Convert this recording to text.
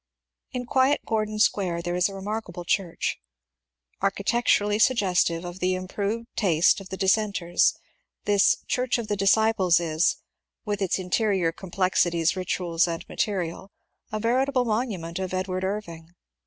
In quiet Gordon Square there is a remarkable church. Architecturally suggestive of the improved taste of the dis senters, this ^^ Church of the Disciples " is, with its interior complexities, ritual and material, a veritable monument of Edward Irving.